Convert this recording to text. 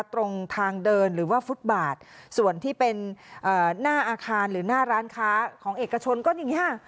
ตรงทางเดินหรือว่าฟุตบาทส่วนที่เป็นหน้าอาคารหรือหน้าร้านค้าของเอกชนก็อย่างนี้ค่ะ